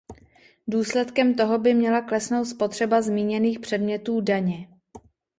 Důsledkem toho by měla klesnout spotřeba zmíněných předmětů daně.